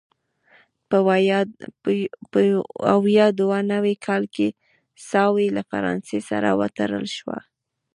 په ویا دوه نوي کال کې ساوې له فرانسې سره وتړل شوه.